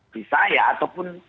di saya ataupun